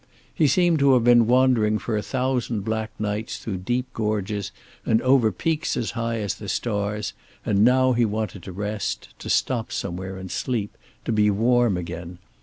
He seemed to have been wandering for a thousand black nights through deep gorges and over peaks as high as the stars, and now he wanted to rest, to stop somewhere and sleep, to be warm again.